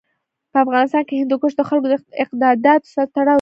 په افغانستان کې هندوکش د خلکو د اعتقاداتو سره تړاو لري.